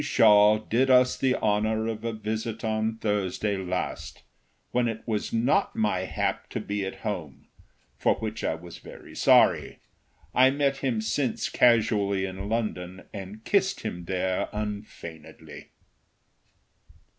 Shaw did us the honor of a visit on Thursday last, when it was not my hap to be at home, for which I was very sorry. I met him since casually in London, and kissed him there unfeignedly."